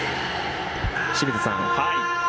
清水さん